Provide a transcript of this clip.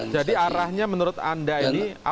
jadi arahnya menurut anda ini apakah sebaiknya